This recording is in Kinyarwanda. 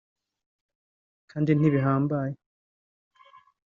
kandi ntibihambye